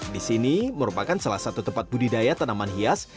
di sini merupakan salah satu tempat budidaya tanaman hias